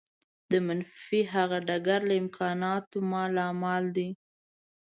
د منفي هغه ډګر له امکاناتو مالامال دی.